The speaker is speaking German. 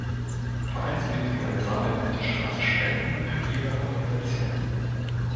Vereinsmitglieder sammeln auf der Straße Spenden für ihre Organisation.